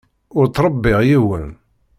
Ur ttṛebbiɣ yiwen.